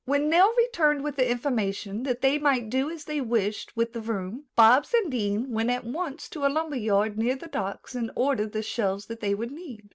When Nell returned with the information that they might do as they wished with the room, Bobs and Dean went at once to a lumber yard near the docks and ordered the shelves they would need.